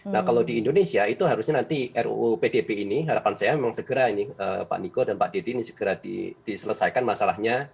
nah kalau di indonesia itu harusnya nanti ruu pdb ini harapan saya memang segera ini pak niko dan pak deddy ini segera diselesaikan masalahnya